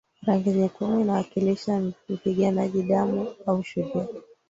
Rangi nyekundu inawakilisha mpiganaji damu au shujaa